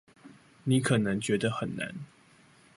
你可能覺得很難